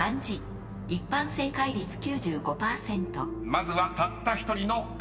［まずはたった１人の漢字問題。